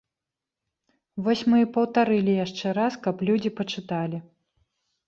Вось мы і паўтарылі яшчэ раз, каб людзі пачыталі.